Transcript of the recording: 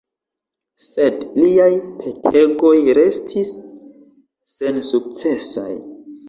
Sed liaj petegoj restis sensukcesaj.